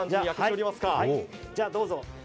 じゃあ、どうぞ。